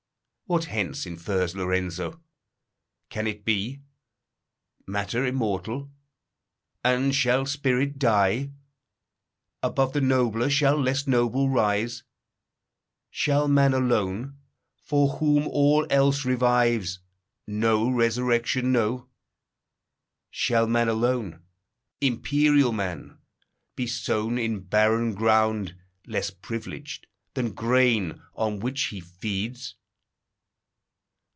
What hence infers Lorenzo? Can it be? Matter immortal? And shall spirit die? Above the nobler, shall less noble rise? Shall man alone, for whom all else revives, No resurrection know? Shall man alone, Imperial man! be sown in barren ground, Less privileged than grain, on which he feeds?